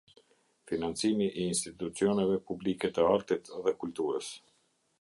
Financimi i institucioneve publike të artit dhe kulturës.